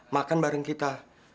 makan bareng kita